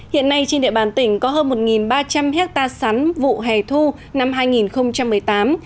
hiện nay trên địa bàn tỉnh có hơn một ba trăm linh hectare sắn vụ hè thu năm hai nghìn một mươi tám